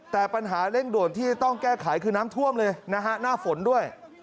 แต่ปัญหาเร่งด่วนที่จะต้องแก้ไขคือน้ำท่วมเลยนะฮะหน้าฝนด้วย